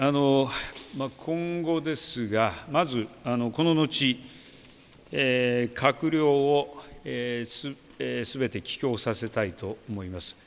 今後ですが、まずこの後、閣僚をすべて帰京させたいと思います。